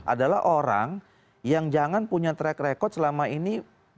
adalah orang yang jangan punya track record selama ini